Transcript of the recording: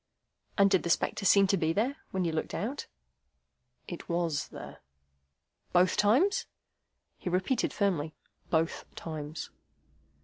"And did the spectre seem to be there, when you looked out?" "It WAS there." "Both times?" He repeated firmly: "Both times."